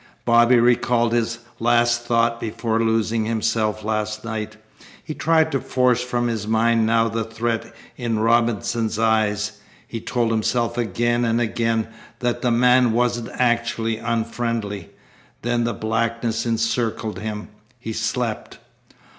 Bobby recalled his last thought before losing himself last night. He tried to force from his mind now the threat in Robinson's eyes. He told himself again and again that the man wasn't actually unfriendly. Then the blackness encircled him. He slept.